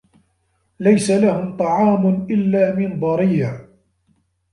لَيسَ لَهُم طَعامٌ إِلّا مِن ضَريعٍ